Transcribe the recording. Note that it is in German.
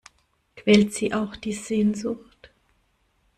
Quält Sie auch die Sehnsucht?